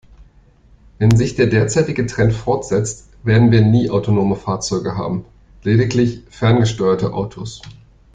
Wenn sich der derzeitige Trend fortsetzt, werden wir nie autonome Fahrzeuge haben, lediglich ferngesteuerte Autos.